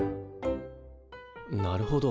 なるほど。